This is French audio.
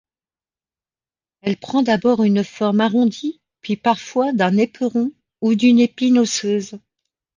Elle prend d'abord une forme arrondie puis parfois d'un éperon ou d'une épine osseuse.